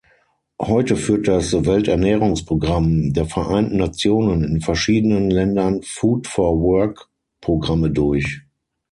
Heute führt das Welternährungsprogramm der Vereinten Nationen in verschiedenen Ländern Food-for-Work-Programme durch.